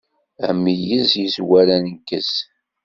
Ameyyez yezwar aneggez.